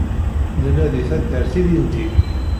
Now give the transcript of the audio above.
Nella di taddart ilindi.